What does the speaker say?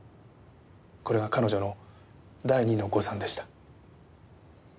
これは彼女の第二の誤算でした。